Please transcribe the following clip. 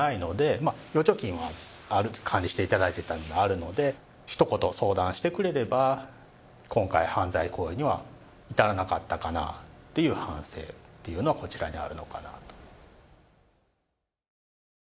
まあ預貯金は管理していただいていたのであるのでひと言相談してくれれば今回犯罪行為には至らなかったかなっていう反省っていうのはこちらにあるのかなと。